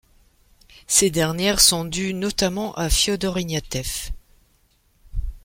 Ces dernières sont dues notamment à Fiodor Ignatiev.